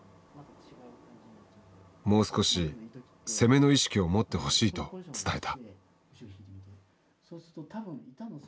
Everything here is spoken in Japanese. もう少し攻めの意識を持ってほしいと伝えた。